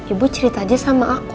ibu cerita aja sama aku